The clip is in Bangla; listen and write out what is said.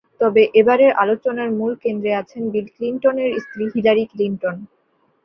তবে এবারের আলোচনার মূল কেন্দ্রে আছেন বিল ক্লিনটনের স্ত্রী হিলারি ক্লিনটন।